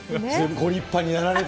ご立派になられて。